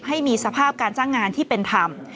ให้มีสภาพการจ้างงานที่เป็นธรรม